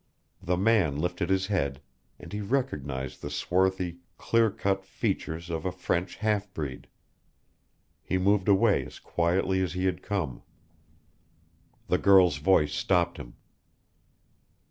The man lifted his head, and he recognized the swarthy, clear cut features of a French half breed. He moved away as quietly as he had come. The girl's voice stopped him.